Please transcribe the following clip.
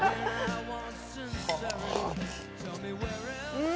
うん！